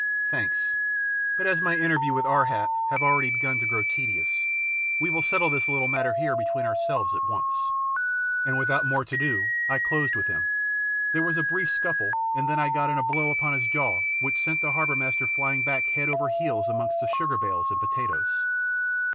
"Thanks, but as my interviews with Ar hap have already begun to grow tedious, we will settle this little matter here between ourselves at once." And without more to do I closed with him. There was a brief scuffle and then I got in a blow upon his jaw which sent the harbour master flying back head over heels amongst the sugar bales and potatoes.